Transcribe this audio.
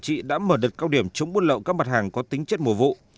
trị đã mở đợt cao điểm chống buôn lậu các mặt hàng có tính chất mùa vụ